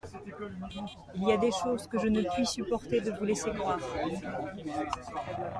Il y a des choses que je ne puis supporter de vous laisser croire.